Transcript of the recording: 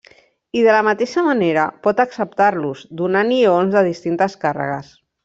I de la mateixa manera, pot acceptar-los, donant ions de distintes càrregues.